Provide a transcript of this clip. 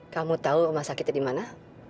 kamu tahu rumah sakitnya di mana